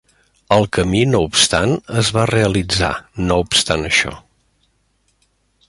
El camí no obstant es va realitzar, no obstant això.